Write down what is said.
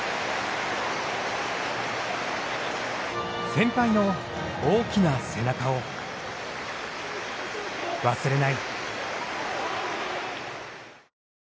先輩の大きな背中を忘れない。